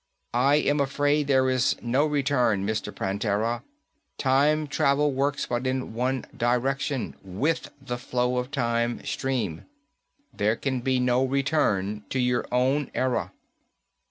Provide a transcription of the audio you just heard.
"I am afraid there is no return, Mr. Prantera. Time travel works but in one direction, with the flow of the time stream. There can be no return to your own era."